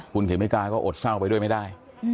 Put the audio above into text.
คุณเขมิกาก็อดเศร้าไปด้วยไม่ได้